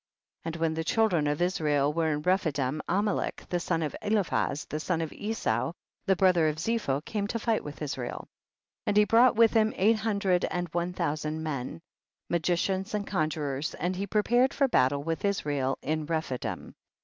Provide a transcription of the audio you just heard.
52. And when the children of Is rael were in Rephidim, Amalek the son of Eliphaz, the son of Esau, the brother of Zepho, came to fight with Israel. 53. And he brought with him eight hundred and one thousand men, ma gicians and conjurers, and he prepar ed for battle with Israel in Rephi dim.